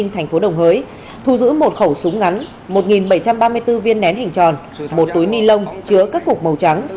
thu giữ một khẩu súng ngắn một bảy trăm ba mươi bốn viên nén hình tròn một túi ni lông chứa các cục màu trắng